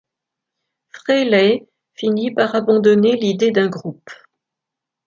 Frehley finit par abandonner l'idée d'un groupe.